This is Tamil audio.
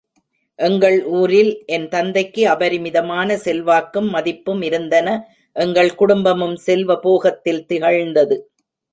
எங்கள் ஊரில் என் தந்தைக்கு அபரிமிதமான செல்வாக்கும் மதிப்பும் இருந்தன எங்கள் குடும்பமும் செல்வபோகத்தில் திகழ்ந்தது.